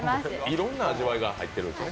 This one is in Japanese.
いろんな味わいが入っているんですね。